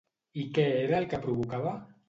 I què era el que provocava?